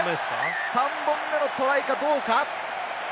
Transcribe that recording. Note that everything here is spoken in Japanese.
３本目のトライかどうか。